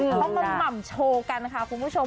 พวกมันหม่ำโชว์กันนะคะคุณผู้ชม